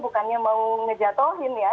bukannya mau menjatuhkan ya